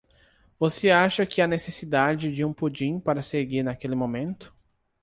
Você acha que há necessidade de um pudim para seguir naquele momento?